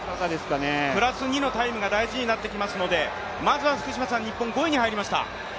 プラス２のタイムが大事になってきますので、まずは日本、５位に入りました。